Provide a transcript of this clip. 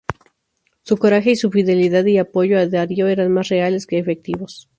Su coraje y su fidelidad y apoyo a Darío eran más reales que efectivos.